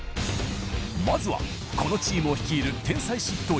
まずはこのチームを率いる天才執刀医